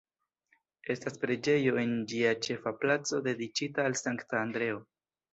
Estas preĝejo en ĝia ĉefa placo dediĉita al Sankta Andreo.